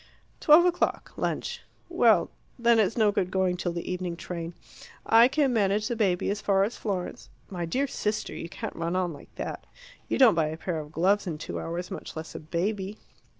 Twelve o'clock. Lunch. Well then it's no good going till the evening train. I can manage the baby as far as Florence " "My dear sister, you can't run on like that. You don't buy a pair of gloves in two hours, much less a baby."